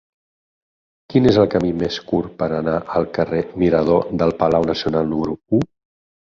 Quin és el camí més curt per anar al carrer Mirador del Palau Nacional número u?